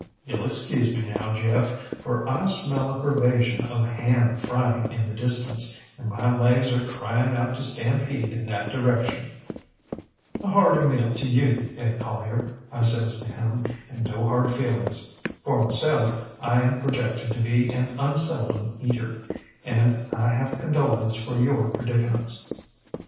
YouŌĆÖll excuse me, now, Jeff, for I smell a pervasion of ham frying in the distance, and my legs are crying out to stampede in that direction. ŌĆÖ ŌĆ£ŌĆśA hearty meal to you, Ed Collier, ŌĆÖ I says to him, ŌĆśand no hard feelings. For myself, I am projected to be an unseldom eater, and I have condolence for your predicaments.